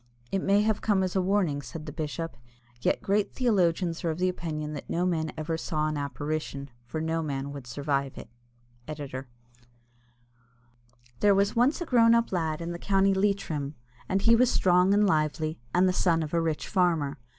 "It may have come as a warning," said the bishop; "yet great theologians are of opinion that no man ever saw an apparition, for no man would survive it." ED.] There was once a grown up lad in the County Leitrim, and he was strong and lively, and the son of a rich farmer.